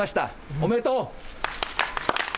おめでとう。